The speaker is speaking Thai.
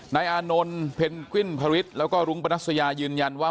นายอานนท์เพ็นกวิ่นพระวิทย์แล้วก็รุงประนักสยายืนยันว่า